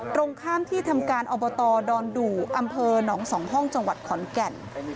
ตรงข้ามที่ทำการอบตดอนดู่อำเภอหนองสองห้องจังหวัดขอนแก่น